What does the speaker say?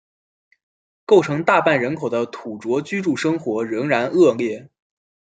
构成大半人口的土着居住生活仍然恶劣。